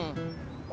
ma jadi seneng